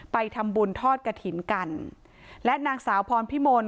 ไปทำบุญทอดกระถิ่นกันและนางสาวพรพิมล